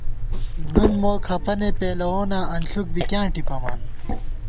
نُن مو کھپَنے پېلَووناں ، انݪُک بی کیاں ٹِپَمان